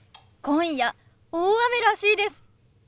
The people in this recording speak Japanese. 今夜大雨らしいです。